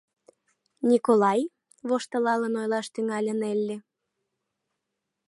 — Николай, — воштылалын ойлаш тӱҥале Нелли.